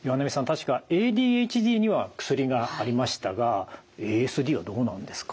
確かＡＤＨＤには薬がありましたがＡＳＤはどうなんですか？